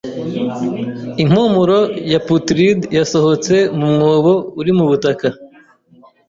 Impumuro ya putrid yasohotse mu mwobo uri mu butaka.